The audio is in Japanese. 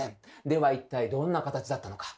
では一体どんな形だったのか。